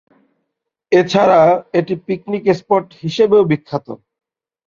এছাড়া এটি picnic spot হিসাবেও বিখ্যাত।